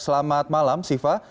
selamat malam siva